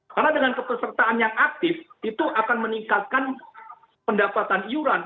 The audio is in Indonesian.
karena dengan kepesertaan yang aktif itu akan meningkatkan pendapatan iuran